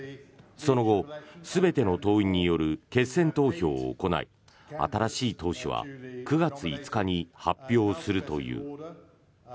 その後、全ての党員による決選投票を行い新しい党首は９月５日に発表するという。